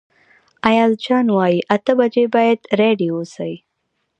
ایاز جان وايي اته بجې باید رېډي اوسئ.